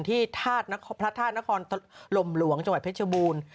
ที่พระธาตุนครลมหลวงจังหวัดเพชรบูรณ์